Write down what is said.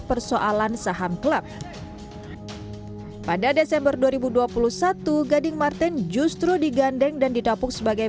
persoalan saham klub pada desember dua ribu dua puluh satu gading martin justru digandeng dan didapuk sebagai